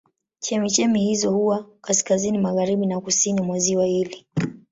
Chemchemi hizo huwa kaskazini magharibi na kusini mwa ziwa hili.